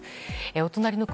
お隣の国